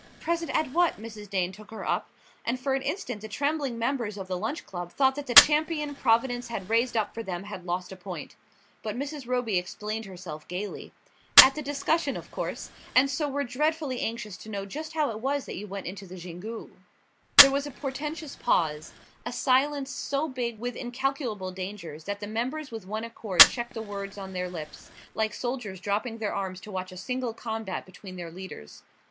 "Present at what?" Mrs. Dane took her up; and for an instant the trembling members of the Lunch Club thought that the champion Providence had raised up for them had lost a point. But Mrs. Roby explained herself gaily: "At the discussion, of course. And so we're dreadfully anxious to know just how it was that you went into the Xingu." There was a portentous pause, a silence so big with incalculable dangers that the members with one accord checked the words on their lips, like soldiers dropping their arms to watch a single combat between their leaders.